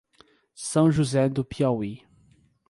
São José do Piauí